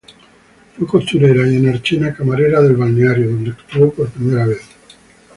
Fue costurera y, en Archena, camarera del balneario, donde actuó por primera vez.